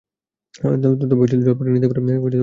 তবে জল ফুটিয়ে নিতে পারলে নির্ভয় হয় বটে।